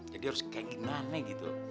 jadi harus kayak gini giniannya gitu